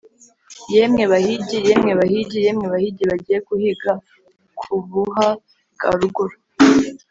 “yemwe bahigi, yemwe bahigi, yemwe bahigi bagiye guhiga ku buha bwa ruguru,